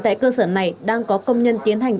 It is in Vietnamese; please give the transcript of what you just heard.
tại cơ sở này đang có công nhân tiến hành